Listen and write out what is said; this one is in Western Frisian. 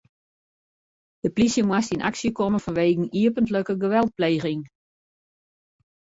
De polysje moast yn aksje komme fanwegen iepentlike geweldpleging.